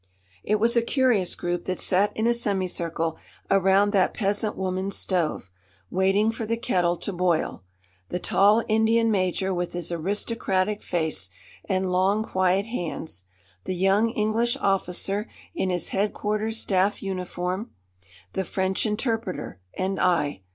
It was a curious group that sat in a semicircle around that peasant woman's stove, waiting for the kettle to boil the tall Indian major with his aristocratic face and long, quiet hands, the young English officer in his Headquarters Staff uniform, the French interpreter, and I.